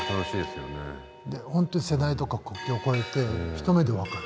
ほんとに世代とか国境を超えて一目で分かる。